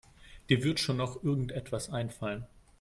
Dir wird schon noch irgendetwas einfallen.